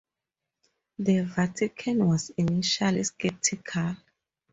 The Vatican was initially skeptical.